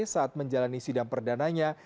saat menjalani sidang perdananya